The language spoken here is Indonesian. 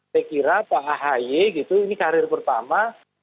saya kira pak ahy gitu ini karir pertama